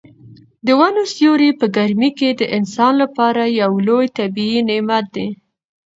د ونو سیوری په ګرمۍ کې د انسان لپاره یو لوی طبیعي نعمت دی.